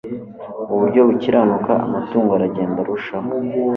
mu buryo bukiranuka Amatungo aragenda arushaho